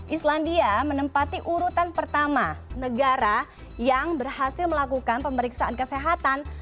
islandia menempati urutan pertama negara yang berhasil melakukan pemeriksaan kesehatan